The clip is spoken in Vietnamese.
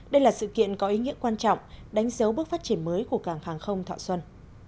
đây là sự kiện có ý nghĩa quan trọng đánh dấu bước phát triển mới của cảng hàng không thọ xuân